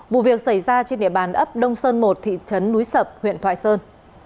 vụ việc xảy ra trên địa bàn ấp đông sơn một thị trấn núi sập huyện thoại sơn